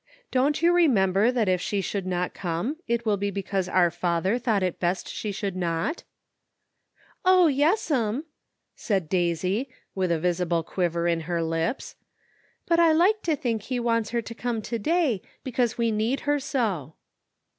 Don't you re member that if she should not come it will be because our Father thought it best she should not?" "O, yes'm I " said Daisy, with a visible quiver 184 THE UNEXPECTED HAPPENS. in her lips, " but I like to think He wants her to come to day, because we do need her so."